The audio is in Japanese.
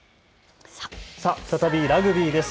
再びラグビーです。